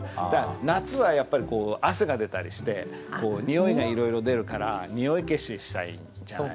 夏はやっぱりこう汗が出たりしてにおいがいろいろ出るからにおい消ししたいんじゃないの？